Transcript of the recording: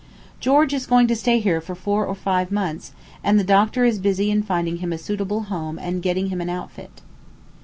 George is going to stay here for four or five months, and the doctor is busy in finding him a suitable home and getting him an outfit.